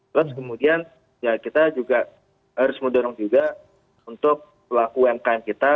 terus kemudian ya kita juga harus mendorong juga untuk pelaku umkm kita